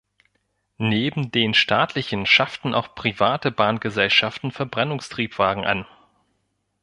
Neben den staatlichen schafften auch private Bahngesellschaften Verbrennungstriebwagen an.